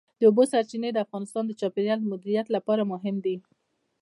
د اوبو سرچینې د افغانستان د چاپیریال د مدیریت لپاره مهم دي.